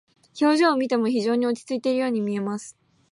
表情を見ても非常に落ち着いているように見えます。